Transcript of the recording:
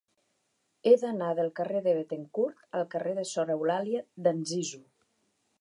He d'anar del carrer de Béthencourt al carrer de Sor Eulàlia d'Anzizu.